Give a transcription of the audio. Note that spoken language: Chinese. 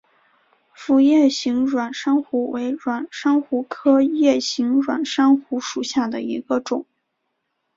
辐叶形软珊瑚为软珊瑚科叶形软珊瑚属下的一个种。